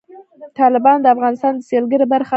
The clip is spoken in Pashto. تالابونه د افغانستان د سیلګرۍ برخه ده.